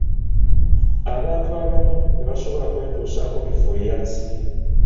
Abantu abamu tebasobola kwetusaako bifuuyira nsiri.